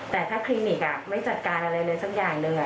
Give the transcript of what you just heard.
แต่ถ้าคลินิกไม่จัดการอะไรเลยสักอย่างหนึ่ง